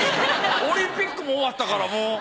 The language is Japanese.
オリンピックも終わったから。